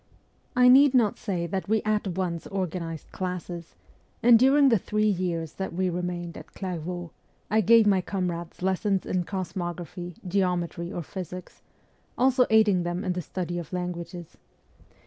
I need not say that we at once organized classes, and during the three years that we remained at Clairvaux I gave my comrades lessons in cosmography, geometry, or physics, also aiding them in the study of languages.